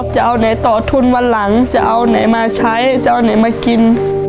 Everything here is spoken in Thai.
จะเอาไหนต่อทุนวันหลังจะเอาไหนมาใช้จะเอาไหนมากิน